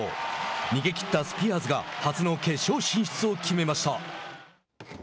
逃げきったスピアーズが初の決勝進出を決めました。